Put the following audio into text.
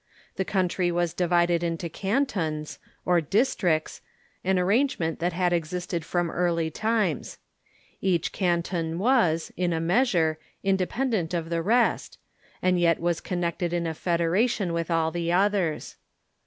The country was divided into cantons, or districts, an arrange ''"If Switmiand"" '"'^"^^^^'^^^^ existed from early times. Each canton was, in a measure, independent of the rest, and yet was connected in a federation Avith all the others.